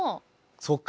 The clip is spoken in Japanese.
そっか。